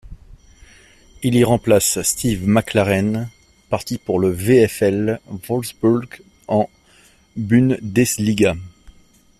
Il y remplace Steve McClaren, parti pour le VfL Wolfsburg en Bundesliga.